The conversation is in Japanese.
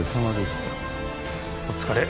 お疲れ。